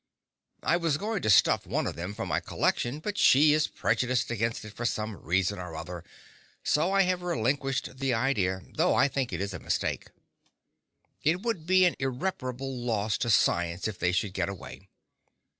I was going to stuff one of them for my collection, but she is prejudiced against it for some reason or other; so I have relinquished the idea, though I think it is a mistake. It would be an irreparable loss to science if they should get away.